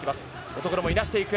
乙黒もいなしていく。